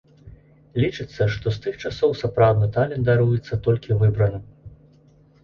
Лічыцца, што з тых часоў сапраўдны талент даруецца толькі выбраным.